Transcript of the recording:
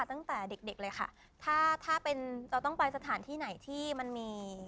ตั้งแต่เด็กเด็กเลยค่ะถ้าถ้าเป็นเราต้องไปสถานที่ไหนที่มันมี